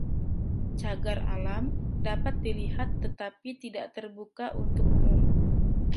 Cagar alam dapat dilihat, tetapi tidak terbuka untuk umum.